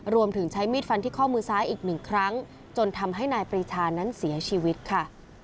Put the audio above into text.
รวมถึงใช้มีดฟันที่ข้อมือซ้ายอีกหนึ่งครั้งจนทำให้นายปรีชานั้นเสียชีวิตค่ะ